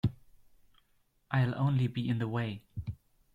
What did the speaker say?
I'll only be in the way.